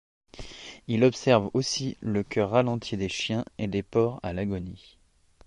Il observe aussi le cœur ralenti des chiens et des porcs à l'agonie.